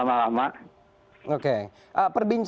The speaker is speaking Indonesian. apakah misalnya misalnya misalnya